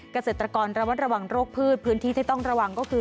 เกษตรกรระวัดระวังโรคพืชพื้นที่ที่ต้องระวังก็คือ